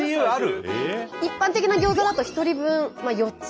一般的なギョーザだと１人分４つ。